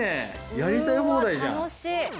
やりたい放題じゃん。